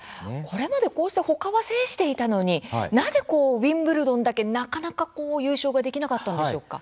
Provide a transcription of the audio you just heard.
これまでこうしてほかは制していたのになぜウィンブルドンだけなかなか優勝ができなかったんでしょうか？